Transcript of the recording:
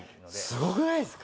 すごくないですか！？